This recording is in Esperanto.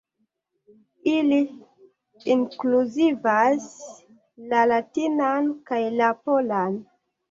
Ili inkluzivas la latinan kaj la polan.